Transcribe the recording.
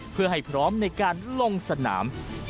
เพื่อให้พร้อมในการลงสนาม